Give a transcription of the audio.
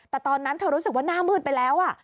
แต่ตอนนั้นเธอรู้สึกว่าหน้ามืดไปแล้ว